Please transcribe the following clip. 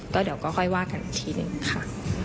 ก็เดี๋ยวก็ค่อยว่ากันอีกทีหนึ่งค่ะ